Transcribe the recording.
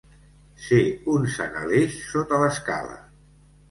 Ser un sant Aleix sota l'escala.